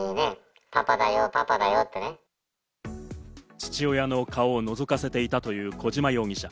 父親の顔をのぞかせていたという小島容疑者。